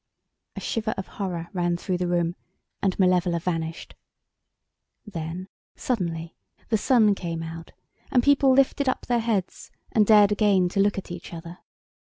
A shiver of horror ran through the room, and Malevola vanished. Then, suddenly, the sun came out, and people lifted up their heads, and dared again to look at each other.